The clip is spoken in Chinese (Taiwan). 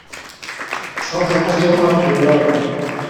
剛才看見幻覺了！